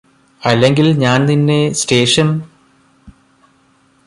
അല്ലെങ്കില് ഞാന് നിന്നെ സ്റ്റേഷന്